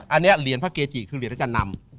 อันนี้เหรียญพระเกจิคือเหรียญอาจารย์นำ